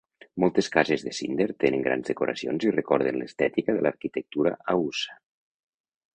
Moltes cases de Zinder tenen grans decoracions i recorden l'estètica de l'arquitectura haussa.